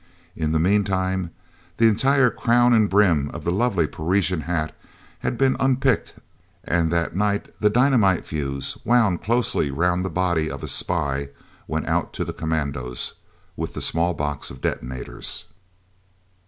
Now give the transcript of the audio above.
In the meantime the entire crown and brim of the lovely Parisian hat had been unpicked, and that night the dynamite fuse, wound closely round the body of a spy, went out to the commandos, with the small box of detonators.